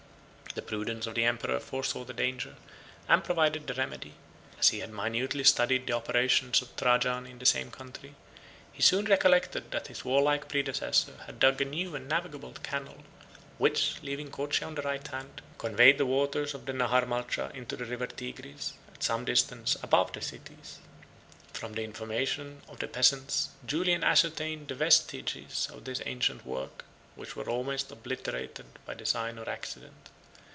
The prudence of the emperor foresaw the danger, and provided the remedy. As he had minutely studied the operations of Trajan in the same country, he soon recollected that his warlike predecessor had dug a new and navigable canal, which, leaving Coche on the right hand, conveyed the waters of the Nahar Malcha into the river Tigris, at some distance above the cities. From the information of the peasants, Julian ascertained the vestiges of this ancient work, which were almost obliterated by design or accident.